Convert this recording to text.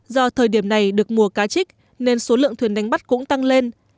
do thời điểm này được mùa cá trích nên số lượng thuyền đánh bắt cũng tăng lên